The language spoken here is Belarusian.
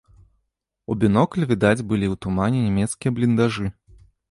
У бінокль відаць былі ў тумане нямецкія бліндажы.